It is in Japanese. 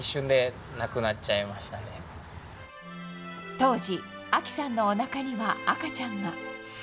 当時、亜紀さんのお腹には赤ちゃんが。